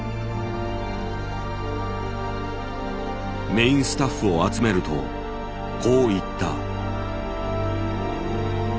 メインスタッフを集めるとこう言った。